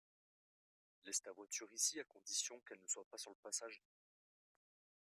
Laisse ta voiture ici à condition qu'elle ne soit pas sur le passage.